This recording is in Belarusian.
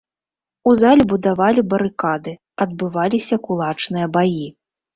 У залі будавалі барыкады, адбываліся кулачныя баі.